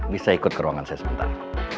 bisa ikut ke ruangan saya sebentar